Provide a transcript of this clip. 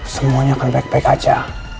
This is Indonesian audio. semuanya akan baik baik aja